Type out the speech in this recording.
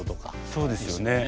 そうですよね。